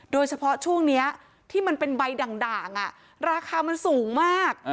โดยเฉพาะช่วงนี้ที่มันเป็นใบด่างราคามันสูงมาก